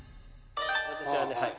私はねはい。